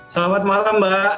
selamat malam mbak